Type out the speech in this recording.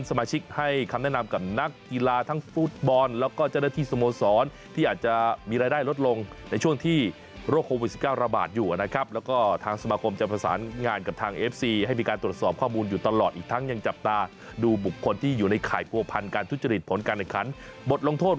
สมาชิกให้คำแนะนำกับนักกีฬาทั้งฟุตบอลและก็ตรีสมสรรค์ที่อาจจะมีรายได้ระยะลดลงในช่วงที่โรคโควิด๑๙ระบาดอยู่น่ะครับ